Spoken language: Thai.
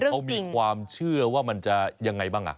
ควายถนูนี้เขามีความเชื่อว่ามันจะยังไงบ้าง